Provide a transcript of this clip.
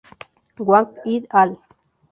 Wang "et al.